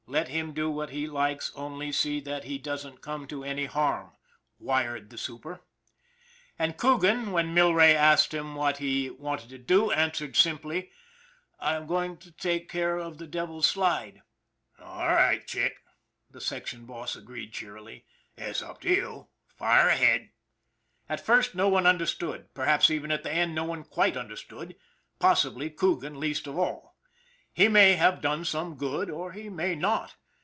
Let him do what he likes, only see that he doesn't come to any harm," wired the super. And Coogan, when Millrae asked him what he 174 ON THE IRON AT BIG CLOUD wanted to do, answered simply :" I'm going to take care of the Devil's Slide." " All right, Chick," the section boss agreed cheerily. " It's up to you. Fire ahead." At first no one understood, perhaps even at the end no one quite understood possibly Coogan least of all. He may have done some good or he may not.